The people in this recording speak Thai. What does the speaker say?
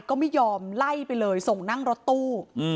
ก็ไม่ยอมไล่ไปเลยส่งนั่งรถตู้